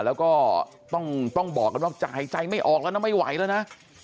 แล้วก็ต้องบอกกันว่าจ่ายใจไม่ออกแล้วนะไม่ไหวแล้วนะ